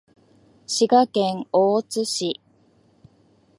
滋賀県大津市